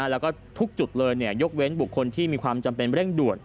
แล้วก็ทุกจุดเลยยกเว้นบุคคลที่มีความจำเป็นเร่งด่วน